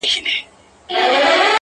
یوه ورخ پاچا وزیر ته ویل خره-